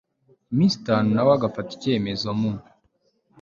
minsi itanu na we agafata icyemezo mu